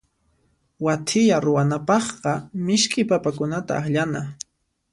Wathiya ruwanapaqqa misk'i papakunata akllana.